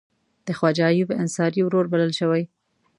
د خواجه ایوب انصاري ورور بلل شوی.